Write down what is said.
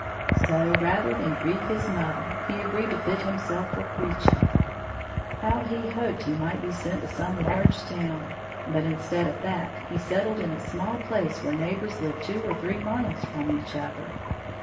So, rather than grieve his mother, he agreed to fit himself for preaching. How he hoped he might be sent to some large town! But instead of that, he settled in a small place where neighbors lived two or three miles from each other.